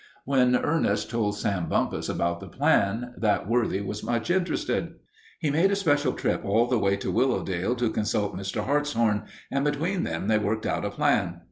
When Ernest told Sam Bumpus about the plan, that worthy was much interested. He made a special trip all the way to Willowdale to consult Mr. Hartshorn, and between them they worked out a plan.